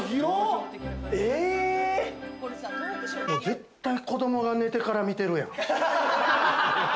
絶対子どもが寝てから見てるやん。